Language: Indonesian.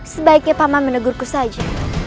sebaiknya paman menegurku saja